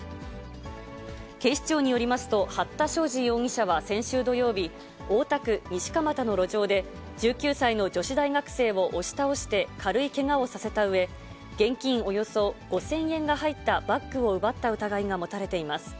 警視庁によりますと、八田照治容疑者は先週土曜日、大田区西蒲田の路上で、１９歳の女子大学生を押し倒して軽いけがをさせたうえ、現金およそ５０００円が入ったバッグを奪った疑いが持たれています。